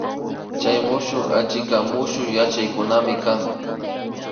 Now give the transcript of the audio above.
Chay mushuk achikka mushuk yachaykunami kan